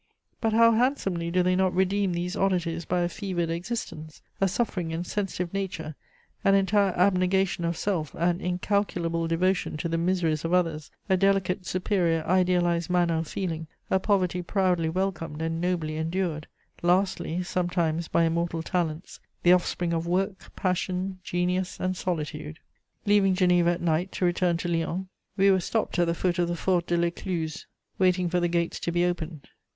But how handsomely do they not redeem these oddities by a fevered existence, a suffering and sensitive nature, an entire abnegation of self, an incalculable devotion to the miseries of others, a delicate, superior, idealized manner of feeling, a poverty proudly welcomed and nobly endured; lastly, sometimes by immortal talents: the offspring of work, passion, genius, and solitude! Leaving Geneva at night to return to Lyons, we were stopped at the foot of the Fort de l'Écluse, waiting for the gates to be opened.